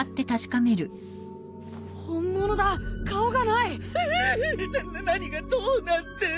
なっ何がどうなって。